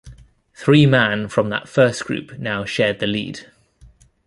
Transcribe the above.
Three man from that first group now shared the lead.